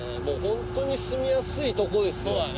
もうホントに住みやすいとこですよ